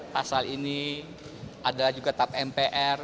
pasal ini adalah juga tap mpr